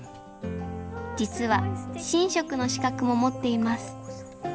実は神職の資格も持っています。